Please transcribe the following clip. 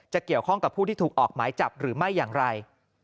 เกี่ยวข้องกับผู้ที่ถูกออกหมายจับหรือไม่อย่างไร